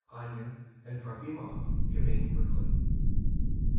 ANYA and TROFIMOV come in quickly.